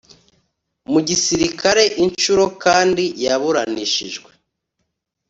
mu gisirikare incuro kandi yaburanishijwe